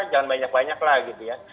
jangan banyak banyak lah gitu ya